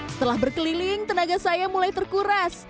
setelah berkeliling tenaga saya mulai terkuras